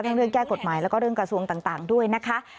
เรื่องแก้กฎหมายแล้วก็เรื่องกระทรวงต่างด้วยนะคะ